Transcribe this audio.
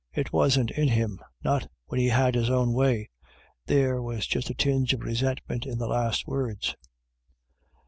It wasn't in him — not when he had his own way." There was just a tinge of resentment in the last words.